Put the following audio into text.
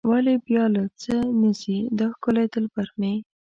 ولې بیا له څه نه ځي دا ښکلی دلبر مې.